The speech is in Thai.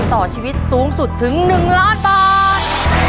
ต่อชีวิตสูงสุดถึง๑ล้านบาท